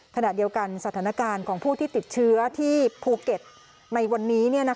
ขณะเดียวกันสถานการณ์ของผู้ที่ติดเชื้อที่ภูเก็ตในวันนี้